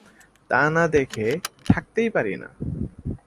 তা না দেখে থাকতেই পারি না।